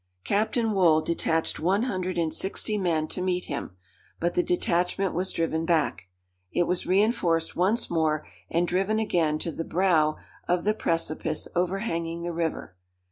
Captain Wool detached one hundred and sixty men to meet him, but the detachment was driven back. It was reinforced once more, and driven again to the brow of the precipice overhanging the river.